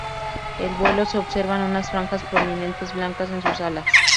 En vuelo, se observan unas franjas prominentes blancas en sus alas.